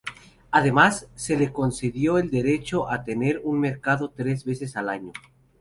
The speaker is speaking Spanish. Además se le concedió el derecho a tener un mercado tres veces al año.